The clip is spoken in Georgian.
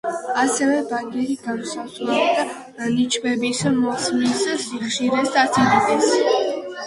ასევე, ბაგირი განსაზღვრავდა ნიჩბების მოსმის სიხშირეს და სიდიდეს.